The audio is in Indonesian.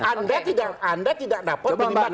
anda tidak dapat membuat kebenaran